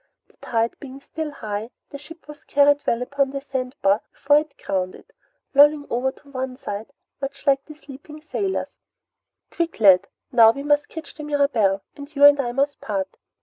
The tide being still high, the ship was carried well upon the sandbar before it grounded, lolling over to one side much like the sleeping sailors. "Quick, lad! Now we must catch the Mirabelle, and you and I must part."